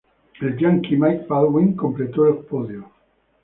El estadounidense Mike Baldwin completó el podio.